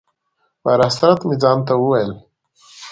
په حسرت مې ځان ته وویل: